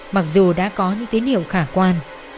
mặc dù đã có những tín hiệu khả quan